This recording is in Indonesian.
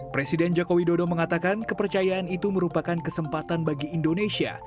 presiden jokowi dodo mengatakan kepercayaan itu merupakan kesempatan bagi indonesia